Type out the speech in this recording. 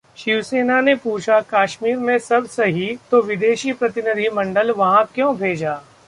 शिवसेना ने पूछा- कश्मीर में सब सही तो विदेशी प्रतिनिधिमंडल वहां क्यों भेजा